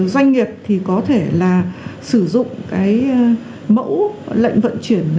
doanh nghiệp thì có thể là sử dụng cái mẫu lệnh vận chuyển